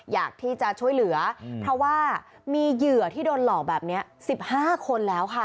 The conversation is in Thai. อยากที่จะช่วยเหลือเพราะว่ามีเหยื่อที่โดนหลอกแบบนี้๑๕คนแล้วค่ะ